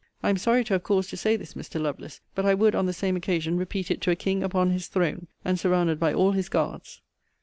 I am sorry to have cause to say this, Mr. Lovelace; but I would, on the same occasion, repeat it to a king upon his throne, and surrounded by all his guards.